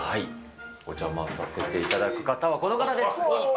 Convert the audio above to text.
お邪魔させていただく方はこの方です。